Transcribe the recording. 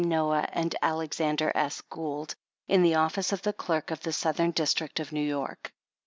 Noah & Alexander S. Gould, in the office of the Clerk of the Southern District of New York.